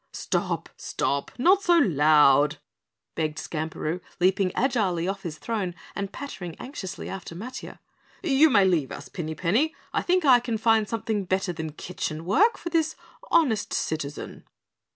"Stop! Stop! Not so loud," begged Skamperoo, leaping agilely off his throne and pattering anxiously after Matiah. "You may leave us, Pinny Penny, I think I can find something better than kitchen work for this honest citizen."